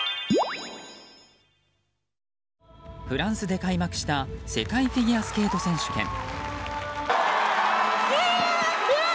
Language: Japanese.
フランスで開幕した世界フィギュアスケート選手権。